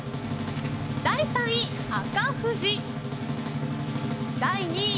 第３位、紅富士。